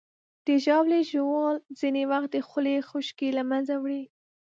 د ژاولې ژوول ځینې وخت د خولې خشکي له منځه وړي.